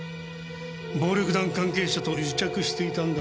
暴力団関係者と癒着していたんだからね。